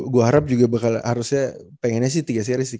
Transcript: gue harap juga harusnya pengennya sih tiga series sih